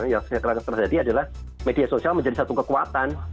yang sekarang terjadi adalah media sosial menjadi satu kekuatan